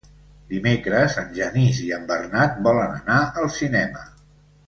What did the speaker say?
Dimecres en Genís i en Bernat volen anar al cinema.